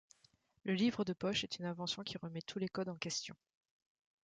Le livre de poche est une invention qui remet tous les codes en question.